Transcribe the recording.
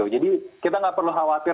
jadi kita nggak perlu khawatir